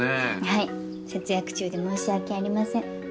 はい節約中で申し訳ありません。